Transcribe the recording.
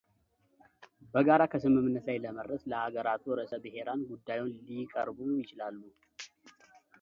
በጋራ ከስምምነት ላይ ለመድረስ ለአገራቱ ርዕሰ ብሔራን ጉዳዩን ሊየቀርቡ ይችላሉ።